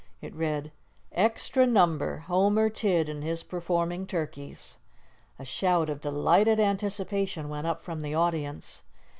It read: "Extra Number Homer Tidd and his Performing Turkeys." A shout of delighted anticipation went up from the audience.